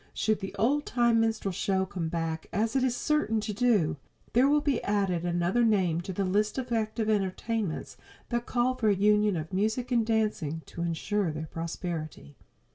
Should the old time minstrel show come back, as it is certain to do, there will be added another name to the list of active entertainments that call for a union of music and dancing to insure their prosperity.